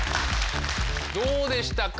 どうでしたか？